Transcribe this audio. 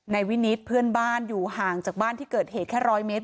นายวินิตเพื่อนบ้านอยู่ห่างจากบ้านที่เกิดเหตุแค่๑๐๐เมตร